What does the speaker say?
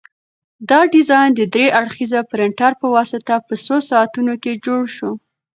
دا ډیزاین د درې اړخیزه پرنټر په واسطه په څو ساعتونو کې جوړ شو.